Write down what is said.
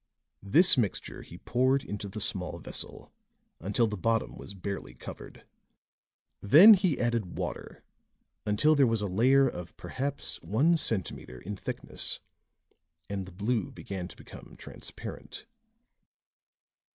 This mixture he poured into the small vessel until the bottom was barely covered; then he added water until there was a layer of perhaps one centimeter in thickness, and the blue began to become transparent.